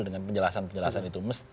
dengan penjelasan penjelasan itu